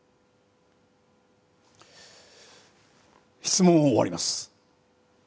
質問を終わります。